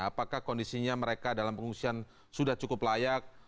apakah kondisinya mereka dalam pengungsian sudah cukup layak